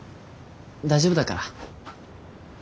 大丈夫だから。